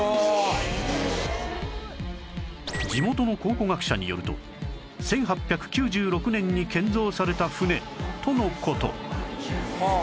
地元の考古学者によると１８９６年に建造された船との事